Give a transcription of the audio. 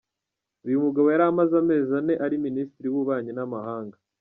Uyu mugabo yari amaze amezi ane ari Minisitiri w’Ububanyi n’amahanga.